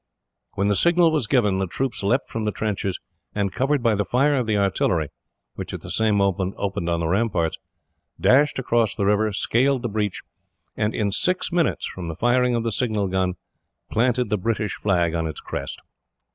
When the signal was given, the troops leapt from the trenches and, covered by the fire of the artillery, which at the same moment opened on the ramparts, dashed across the river, scaled the breach, and, in six minutes from the firing of the signal gun, planted the British flag on its crest.